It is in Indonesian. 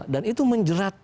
dan itu menjerat